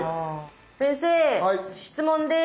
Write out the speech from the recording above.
先生質問です。